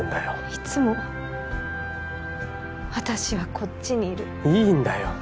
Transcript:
いつも私はこっちにいるいいんだよ